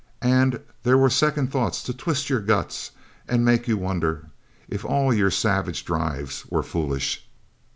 And there were second thoughts to twist your guts and make you wonder if all your savage drives were foolish.